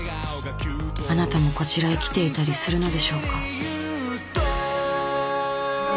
あなたもこちらへ来ていたりするのでしょうか。